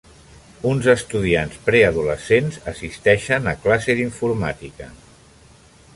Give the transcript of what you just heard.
Uns estudiants preadolescents assisteixen a classe d'informàtica.